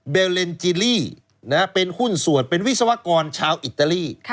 เลนจิลี่เป็นหุ้นส่วนเป็นวิศวกรชาวอิตาลี